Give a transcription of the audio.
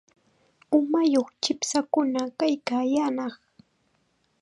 Uwayuq chipshakuna kaykaayaanaq.